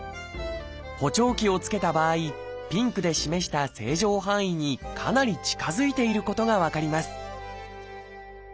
補聴器を着けた場合ピンクで示した正常範囲にかなり近づいていることが分かります